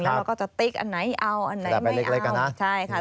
แล้วก็จะติ๊กอันไหนเอาอันไหนไม่เอา